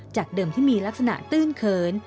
เดิมที่มีลักษณะตื้นเขิน